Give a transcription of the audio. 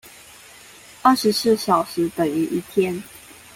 二十四小時等於一天